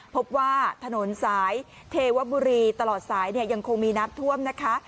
พบว่าถนนสายเทวบุรีตลอดสายยังคงมีน้ำท่วมนะคะ